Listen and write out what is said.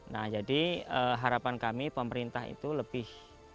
nah jadi harapan kami pemerintah itu lebih